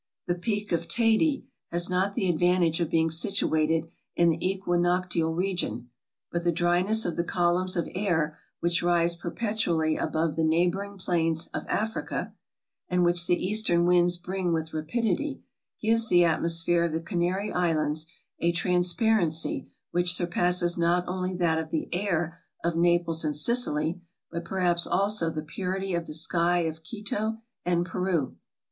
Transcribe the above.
The Peak of Teyde has not the advantage of being situated in the equinoctial region ; but the dryness of the columns of air which rise perpetually above the neighboring plains of Africa, and which the eastern winds bring with rapidity, gives the atmosphere of the Canary Islands a transparency which surpasses not only that of the air of Naples and Sicily, but perhaps also the purity of the sky of Quito and Peru.